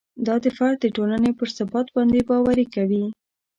دا فرد د ټولنې پر ثبات باندې باوري کوي.